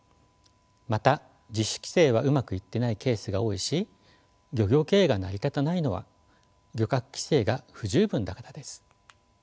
また自主規制はうまくいってないケースが多いし漁業経営が成り立たないのは漁獲規制が不十分だからです。